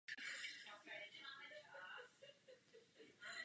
Právním nástupcem původní kovářské školy se později stalo Odborné učiliště v Litni.